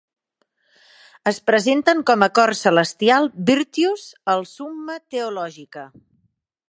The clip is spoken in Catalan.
Es presenten com a cor celestial "Virtues", al "Summa Theologica".